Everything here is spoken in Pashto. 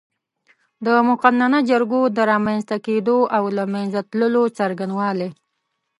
د مقننه جرګو د رامنځ ته کېدو او له منځه تللو څرنګوالی